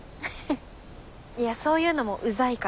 いやそういうのもうざいから。